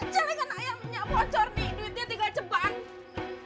celengan ayamnya bocor nih duitnya tinggal jembat